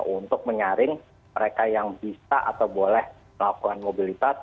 untuk menyaring mereka yang bisa atau boleh melakukan mobilitas